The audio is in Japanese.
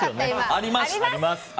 あります！